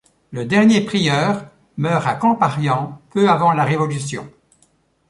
Le dernier prieur meurt à Camparian peu avant la Révolution.